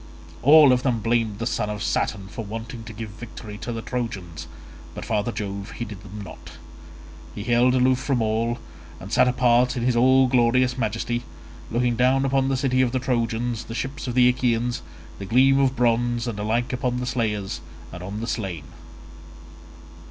All of them blamed the son of Saturn for wanting to give victory to the Trojans, but father Jove heeded them not: he held aloof from all, and sat apart in his all glorious majesty, looking down upon the city of the Trojans, the ships of the Achaeans, the gleam of bronze, and alike upon the slayers and on the slain.